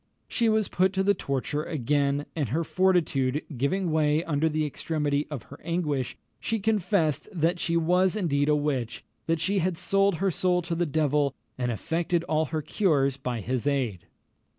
She was put to the torture again, and her fortitude giving way under the extremity of her anguish, she confessed that she was indeed a witch that she had sold her soul to the devil, and effected all her cures by his aid.